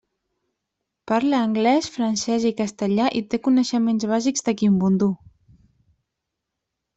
Parla anglès, francès i castellà i té coneixements bàsics de kimbundu.